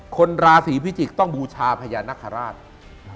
คนราศีพิจิกษ์ต้องบูชาพญานาคาราช